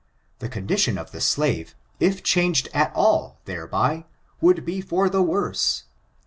The condition of the slave, if changed at all thereby, would be for the worse.